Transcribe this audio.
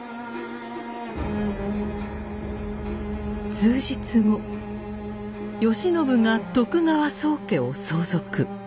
数日後慶喜が徳川宗家を相続。